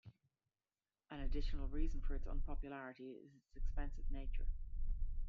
An additional reason for its unpopularity is its expensive nature.